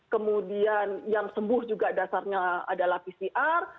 kemudian yang sembuh juga dasarnya adalah pcr